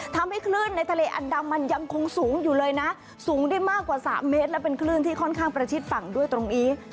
ทำให้คลื่นในทะเลอันดามันยังคงสูงอยู่เลยนะสูงได้มากกว่า๓เมตรและเป็นคลื่นที่ค่อนข้างประชิดฝั่งด้วยตรงนี้